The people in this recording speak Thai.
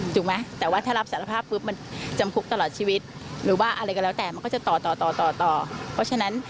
สู้บอกว่าเดี๋ยวเจอกันเดี๋ยวออกมาเจอกัน